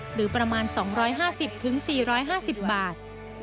หรือประมาณ๒๕๐๔๕๐บาท